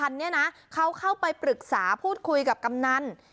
อันนี้นะเขาเข้าไปปรึกษาพูดคุยกับกำนัน